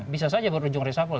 bisa saja berujung resahpel